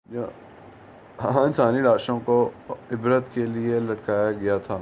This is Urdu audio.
جہاں انسانی لاشوں کو عبرت کے لیے لٹکایا گیا تھا۔